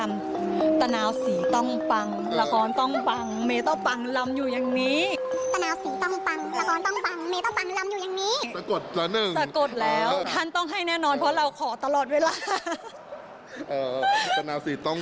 เมย์ต้องดังต้องปังต้องดังอยู่อย่างนี้ค่ะ